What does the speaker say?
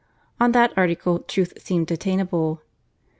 On that article, truth seemed attainable.